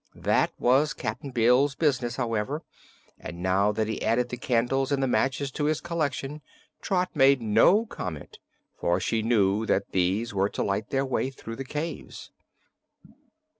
That was Cap'n Bill's business, however, and now that he added the candles and the matches to his collection Trot made no comment, for she knew these last were to light their way through the caves.